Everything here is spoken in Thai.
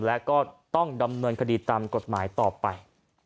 และก็ต้องดำเนินคดีตามกฎหมายต่อไป